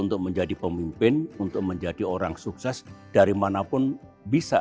untuk menjadi pemimpin untuk menjadi orang sukses dari mana pun bisa